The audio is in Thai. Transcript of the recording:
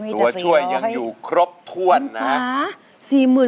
ตัวช่วยยังอยู่ครบถ้วนนะฮะ